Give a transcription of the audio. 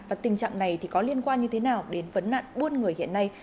và tình trạng này có liên quan như thế nào đến vấn nạn buôn người hiện nay